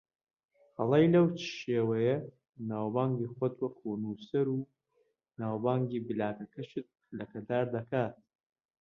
هەڵەی لەو شێوەیە ناوبانگی خۆت وەکو نووسەر و ناوبانگی بڵاگەکەشت لەکەدار دەکات